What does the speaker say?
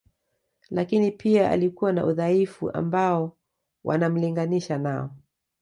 Lakini pia alikuwa na udhaifu ambao wanamlinganisha nao